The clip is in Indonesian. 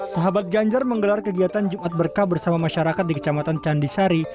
sahabat ganjar menggelar kegiatan jumat berkah bersama masyarakat di kecamatan candisari